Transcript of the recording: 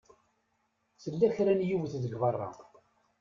Tella kra n yiwet deg beṛṛa.